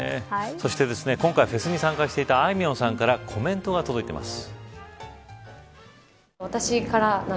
そして今回フェスに参加していたあいみょんさんからコメントが届いています。